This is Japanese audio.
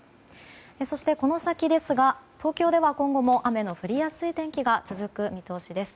そして、この先ですが東京では今後も雨の降りやすい天気が続く見通しです。